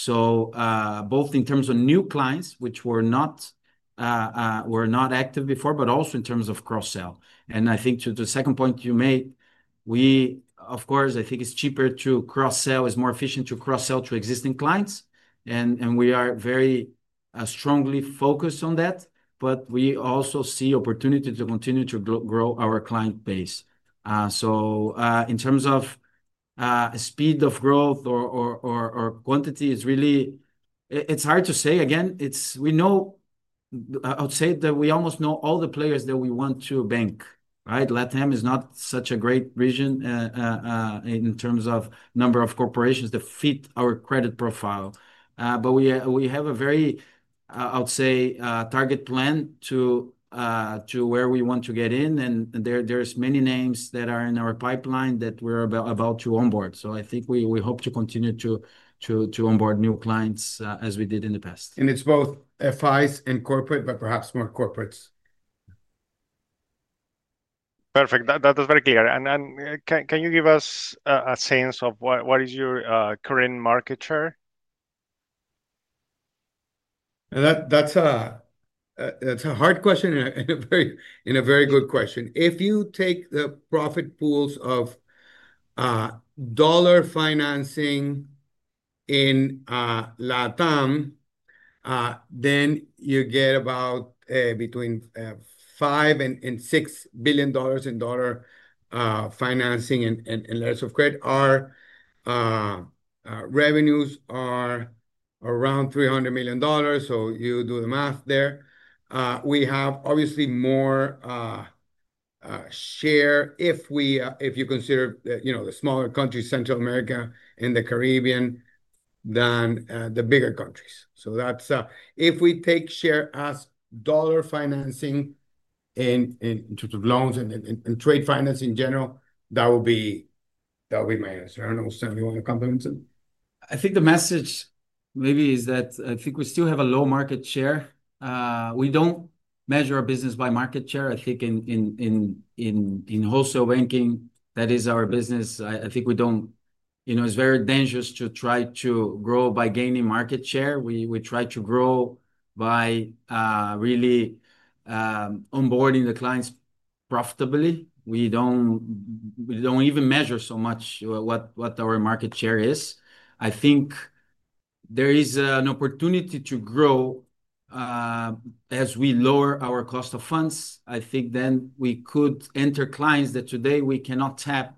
both in terms of new clients, which were not active before, and in terms of cross-sell. To the second point you made, we, of course, I think it's cheaper to cross-sell, it's more efficient to cross-sell to existing clients. We are very strongly focused on that. We also see opportunity to continue to grow our client base. In terms of speed of growth or quantity, it's really, it's hard to say. Again, I would say that we almost know all the players that we want to bank, right? LATAM is not such a great region in terms of number of corporations that fit our credit profile. We have a very, I would say, target plan to where we want to get in. There are many names that are in our pipeline that we're about to onboard. I think we hope to continue to onboard new clients as we did in the past. It is both FIs and corporate, but perhaps more corporates. Perfect. That was very clear. Can you give us a sense of what is your current market share? That's a hard question and a very good question. If you take the profit pools of dollar financing in LATAM, then you get about between $5 billion and $6 billion in dollar financing and letters of credit. Our revenues are around $300 million. You do the math there. We have obviously more share if you consider the smaller countries, Central America and the Caribbean, than the bigger countries. If we take share as dollar financing in terms of loans and trade finance in general, that would be my answer. I don't know, Sam, you want to complement it? I think the message is that I think we still have a low market share. We don't measure our business by market share. I think in wholesale banking, that is our business. I think we don't, you know, it's very dangerous to try to grow by gaining market share. We try to grow by really onboarding the clients profitably. We don't even measure so much what our market share is. I think there is an opportunity to grow as we lower our cost of funds. I think then we could enter clients that today we cannot tap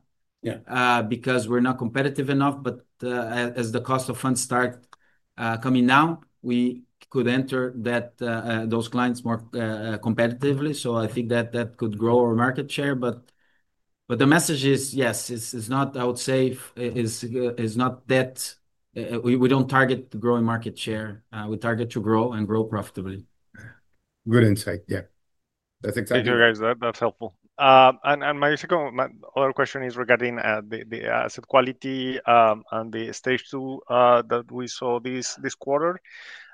because we're not competitive enough. As the cost of funds start coming down, we could enter those clients more competitively. I think that could grow our market share. The message is, yes, it's not, I would say, it's not that we don't target the growing market share. We target to grow and grow profitably. Good insight. Yeah, that's exactly right. Thank you, guys. That's helpful. My other question is regarding the asset quality and the stage two that we saw this quarter.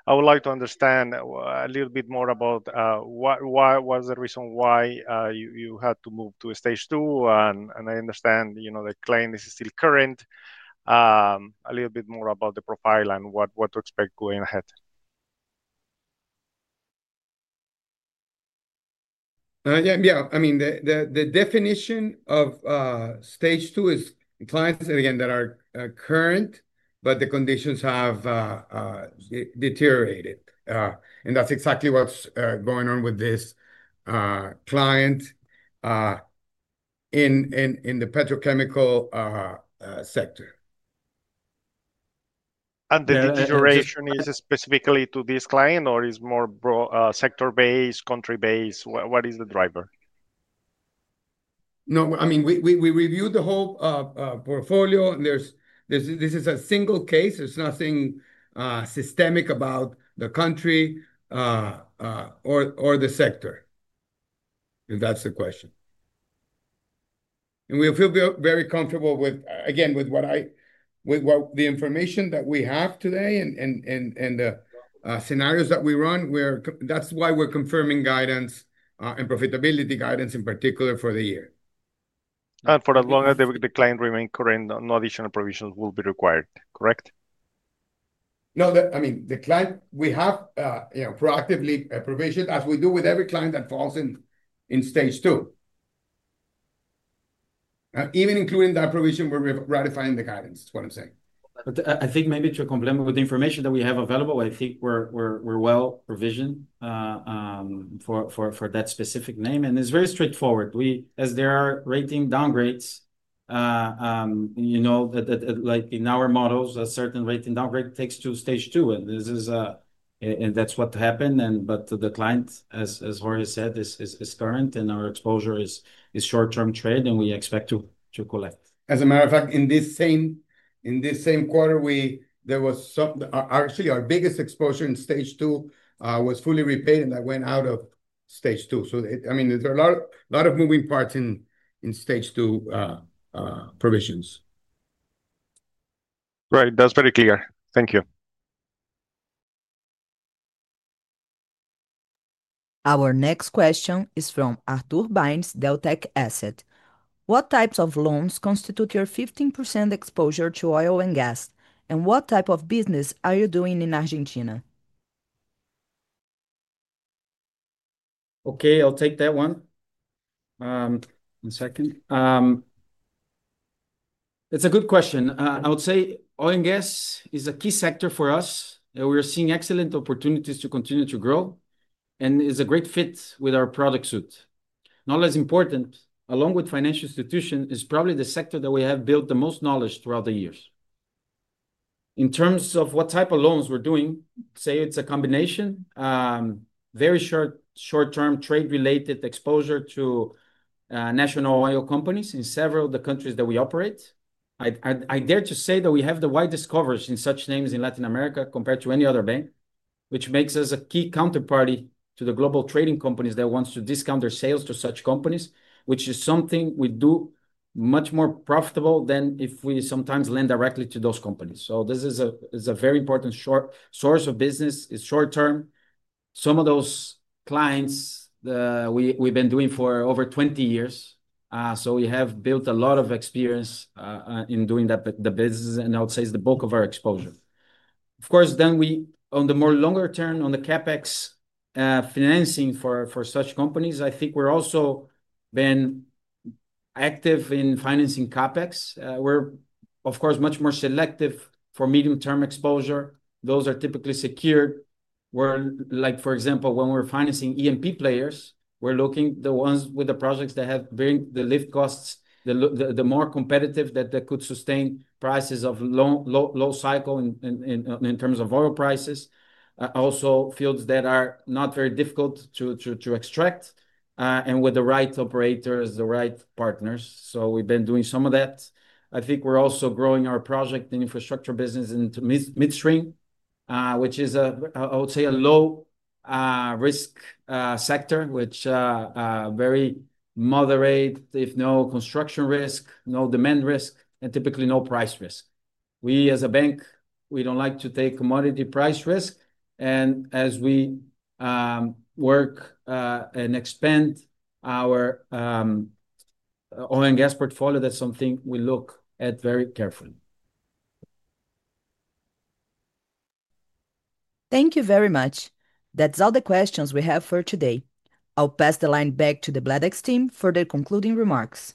I would like to understand a little bit more about what was the reason why you had to move to a stage two. I understand the claim is still current. A little bit more about the profile and what to expect going ahead. Yeah. I mean, the definition of stage two is clients, again, that are current, but the conditions have deteriorated. That's exactly what's going on with this client in the petrochemical sector. Is the deterioration specifically to this client, or is it more sector-based, country-based? What is the driver? No, we reviewed the whole portfolio. This is a single case. There's nothing systemic about the country or the sector. That's the question. We feel very comfortable with what the information that we have today and the scenarios that we run. That's why we're confirming guidance and profitability guidance in particular for the year. For as long as the client remains current, no additional provisions will be required, correct? No, I mean, the client we have proactively provisioned, as we do with every client that falls in stage two. Even including that provision, we're ratifying the guidance is what I'm saying. I think to complement with the information that we have available, I think we're well provisioned for that specific name. It's very straightforward. As there are rating downgrades, like in our models, a certain rating downgrade takes to stage two. That is what happened. The client, as Jorge said, is current, and our exposure is short-term trade, and we expect to collect. As a matter of fact, in this same quarter, our biggest exposure in stage two was fully repaid, and that went out of stage two. There are a lot of moving parts in stage two provisions. Right. That's very clear. Thank you. Our next question is from Arthur Byrnes, Deltec Asset. What types of loans constitute your 15% exposure to oil and gas? What type of business are you doing in Argentina? Okay. I'll take that one. It's a good question. I would say oil and gas is a key sector for us. We are seeing excellent opportunities to continue to grow, and it's a great fit with our product suite. Not less important, along with financial institutions, is probably the sector that we have built the most knowledge throughout the years. In terms of what type of loans we're doing, I'd say it's a combination, very short-term trade-related exposure to national oil companies in several of the countries that we operate. I dare to say that we have the widest coverage in such names in Latin America compared to any other bank, which makes us a key counterparty to the global trading companies that want to discount their sales to such companies, which is something we do much more profitably than if we sometimes lend directly to those companies. This is a very important source of business. It's short term. Some of those clients we've been doing for over 20 years, so we have built a lot of experience in doing that business, and I would say, is the bulk of our exposure. Of course, on the more longer term, on the CapEx financing for such companies, I think we've also been active in financing CapEx. We're, of course, much more selective for medium-term exposure. Those are typically secured. For example, when we're financing E&P players, we're looking at the ones with the projects that have very low costs, the more competitive that could sustain prices of low cycle in terms of oil prices. I also feel that are not very difficult to extract and with the right operators, the right partners. We've been doing some of that. I think we're also growing our project and infrastructure business into midstream, which is, I would say, a low-risk sector, which is very moderate, if no construction risk, no demand risk, and typically no price risk. We, as a bank, don't like to take commodity price risk. As we work and expand our oil and gas portfolio, that's something we look at very carefully. Thank you very much. That's all the questions we have for today. I'll pass the line back to the Bladex team for their concluding remarks.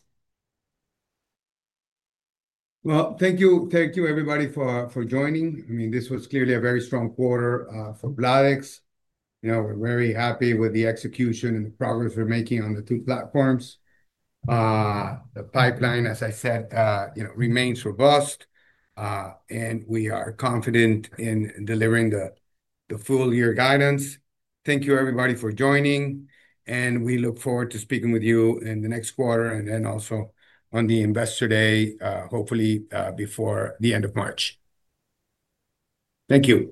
Thank you, everybody, for joining. This was clearly a very strong quarter for Bladex. We're very happy with the execution and the progress we're making on the two platforms. The pipeline, as I said, remains robust, and we are confident in delivering the full-year guidance. Thank you, everybody, for joining. We look forward to speaking with you in the next quarter and also on the investor day, hopefully before the end of March. Thank you.